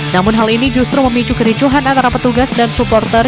namun hal ini justru memicu kericuhan antara petugas dan supporter